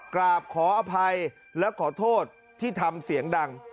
กราบขออภัยและขอโทษที่ทำเสียงดัง